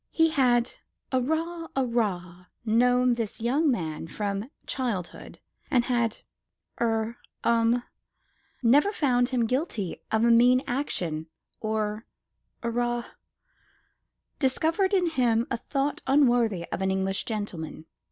He had arra arra known this young man from childhood, and had er um never found him guilty of a mean action or arra discovered in him a thought unworthy of an English gentleman.